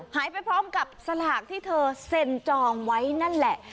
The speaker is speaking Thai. หายไปพร้อมกับสลากที่เธอเซ็นจองไว้นั่นแหละ